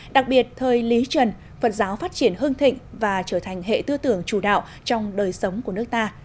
đặc biệt thời lý trần phật giáo phát triển hương thịnh và trở thành hệ tư tưởng chủ đạo trong đời sống của nước ta